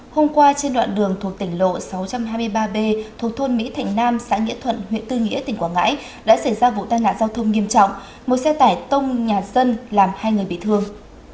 hôm qua trên đoạn đường thuộc tỉnh lộ sáu trăm hai mươi ba b thuộc thôn mỹ thạnh nam xã nghĩa thuận huyện tư nghĩa tỉnh quảng ngãi đã xảy ra vụ tai nạn giao thông nghiêm trọng một xe tải tông nhà dân làm hai người bị thương